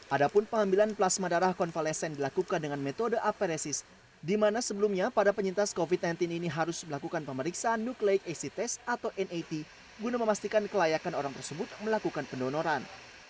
ada pun pengambilan plasma darah konvalesen dilakukan dengan metode aperesis di mana sebelumnya pada penyintas covid sembilan belas ini harus melakukan pemeriksaan nuklike acitest atau nat guna memastikan kelayakan orang tersebut melakukan pendonoran